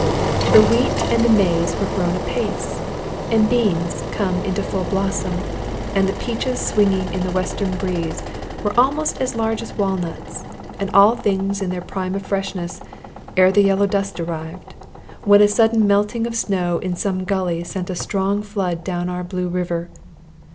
The wheat and the maize were grown apace, and beans come into full blossom, and the peaches swinging in the western breeze were almost as large as walnuts, and all things in their prime of freshness, ere the yellow dust arrived, when a sudden melting of snow in some gully sent a strong flood down our Blue River.